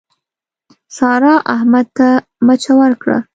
سارا، احمد ته مچه ورکړه.